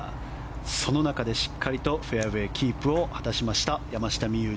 その中で、しっかりとフェアウェーキープを果たしました山下美夢有。